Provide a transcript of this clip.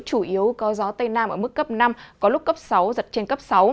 chủ yếu có gió tây nam ở mức cấp năm có lúc cấp sáu giật trên cấp sáu